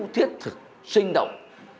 thiết thực sinh động